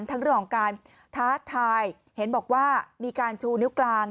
ทั้งเรื่องของการท้าทายเห็นบอกว่ามีการชูนิ้วกลาง